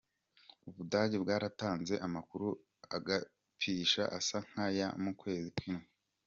Ubudage bwaratanze amakuru agabisha asa nk'aya mu kwezi kw'indwi.